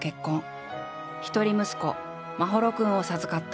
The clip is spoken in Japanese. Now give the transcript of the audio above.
一人息子眞秀君を授かった。